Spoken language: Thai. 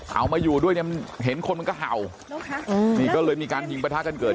เอามาอยู่ด้วยเนี่ยเห็นคนมันก็เห่านี่ก็เลยมีการยิงประทะกันเกิด